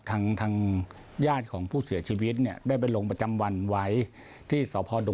ทางย่าของผู้เสียชีวิตได้ไปลงประจำวันไว้ที่สด